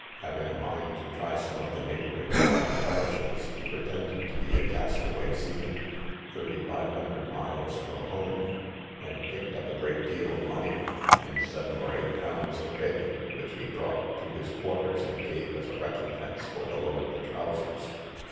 Having a mind to try some of the neighbouring country parishes, he pretended to be a cast away seaman, 3500 miles from home, and picked up a great deal of money, and seven or eight pounds of bacon, which he brought to his quarters, and gave as a recompense for the loan of the trowsers.